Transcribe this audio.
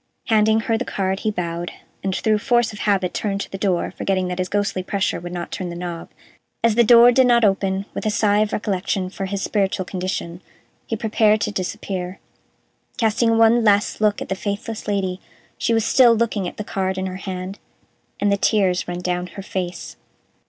Handing her the card he bowed, and, through force of habit, turned to the door, forgetting that his ghostly pressure would not turn the knob. As the door did not open, with a sigh of recollection for his spiritual condition, he prepared to disappear, casting one last look at the faithless Lady. She was still looking at the card in her hand, and the tears ran down her face.